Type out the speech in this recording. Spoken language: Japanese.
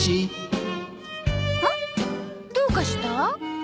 どうかした？